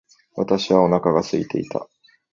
私はお腹が空いていた。